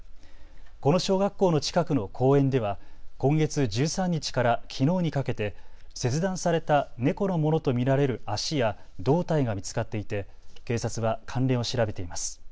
この小学校の近くの公園では今月１３日からきのうにかけて切断された猫のものと見られる足や胴体が見つかっていて警察は関連を調べています。